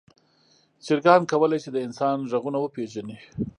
چرګان کولی شي د انسان غږونه وپیژني.